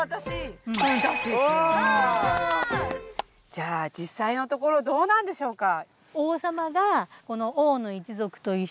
じゃあじっさいのところどうなんでしょうか？